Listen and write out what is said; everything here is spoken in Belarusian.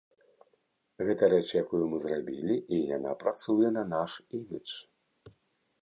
Гэта рэч, якую мы зрабілі, і яна працуе на наш імідж.